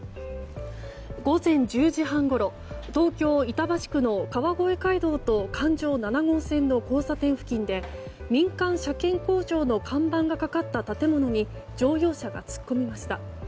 午前１０時半ごろ東京・板橋区の川越街道と環状７号線の交差点付近で民間車検工場の看板がかかった建物に乗用車が突っ込みました。